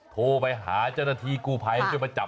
โทรไปหาเจ้าหน้าธีกูภัยเข้าไปจับ